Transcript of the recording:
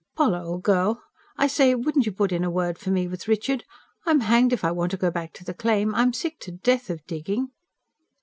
"Poll, old girl I say, wouldn't you put in a word for me with Richard? I'm hanged if I want to go back to the claim. I'm sick to death of digging."